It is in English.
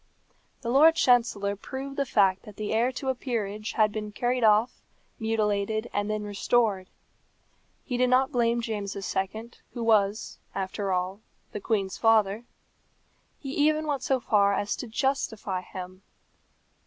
The Lord Chancellor proved the fact that the heir to a peerage had been carried off, mutilated, and then restored. He did not blame James II., who was, after all, the queen's father. He even went so far as to justify him.